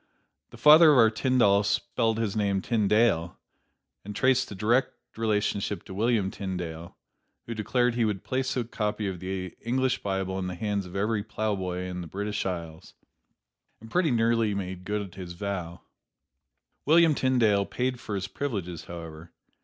The father of our Tyndall spelled his name Tyndale, and traced a direct relationship to William Tyndale, who declared he would place a copy of the English Bible in the hands of every plowboy in the British Isles, and pretty nearly made good his vow. William Tyndale paid for his privileges, however.